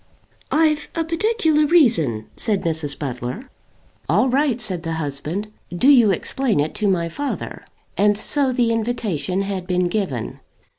"I've a particular reason," said Mrs. Butler. "All right," said the husband. "Do you explain it to my father." And so the invitation had been given.